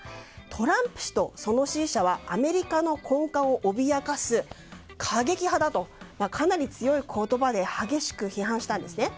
トランプ氏とその支持者はアメリカの根底を脅かす過激派だとかなり強い言葉で激しく批判したんですね。